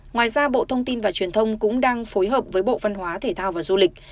ngoài ra bộ thông tin và truyền thông cũng đang phối hợp với bộ văn hóa thể thao và du lịch